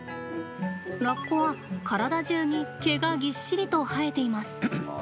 ラッコは体中に毛がぎっしりと生えています。